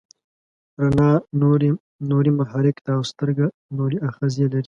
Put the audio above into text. رڼا نوري محرک ده او سترګه نوري آخذې لري.